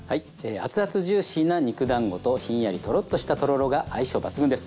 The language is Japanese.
アツアツジューシーな肉だんごとひんやりとろっとしたとろろが相性抜群です。